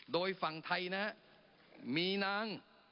โดยฝั่งไทยนะฮะมีนาง